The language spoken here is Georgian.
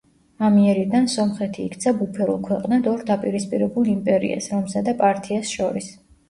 ამიერიდან, სომხეთი იქცა ბუფერულ ქვეყნად ორ დაპირისპირებულ იმპერიას, რომსა და პართიას შორის.